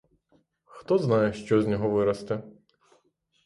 Хто знає, що з нього виросте?